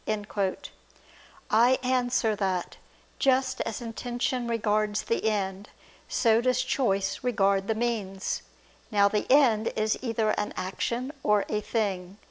I answer that, Just as intention regards the end, so does choice regard the means. Now the end is either an action or a thing.